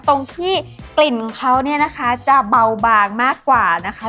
ตรงที่กลิ่นเขาเนี่ยนะคะจะเบาบางมากกว่านะคะ